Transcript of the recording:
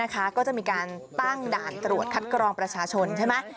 ก็จะมีการตั้งด่านตรวจคัดกรองประชาชนใช่ไหม